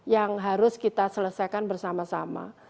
yang harus kita selesaikan bersama sama